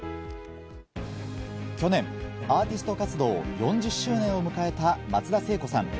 去年、アーティスト活動４０周年を迎えた松田聖子さん。